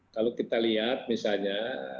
kalau kita lihat misalnya